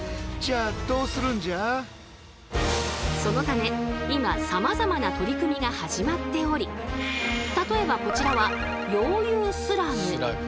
そのため今さまざまな取り組みが始まっており例えばこちらは溶融スラグ。